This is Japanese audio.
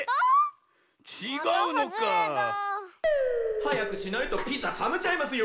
はやくしないとピザさめちゃいますよ。